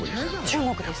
中国です。